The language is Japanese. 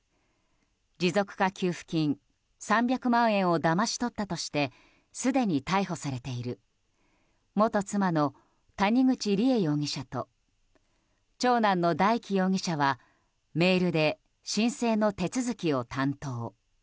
持続化給付金３００万円をだまし取ったとしてすでに逮捕されている元妻の谷口梨恵容疑者と長男の大祈容疑者はメールで申請の手続きを担当。